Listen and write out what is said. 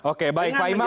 oke baik pak imam